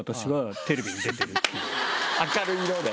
明るい色で？